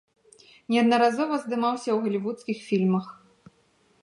Неаднаразова здымаўся ў галівудскіх фільмах.